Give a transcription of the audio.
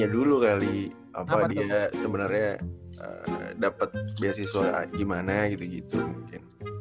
dapet draft pick mungkin